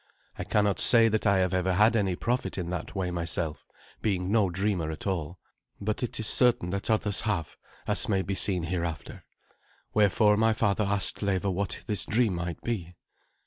I cannot say that I have ever had any profit in that way myself, being no dreamer at all; but it is certain that others have, as may be seen hereafter. Wherefore my father asked Leva what this dream might be.